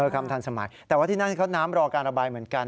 คำทันสมัยแต่ว่าที่นั่นเขาน้ำรอการระบายเหมือนกัน